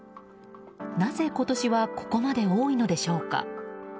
なぜ、今年はここまで多いのでしょうか。